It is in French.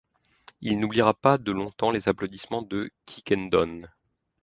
Il n’oubliera pas de longtemps les applaudissements de Quiquendone.